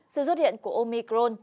sự xuất hiện của omicron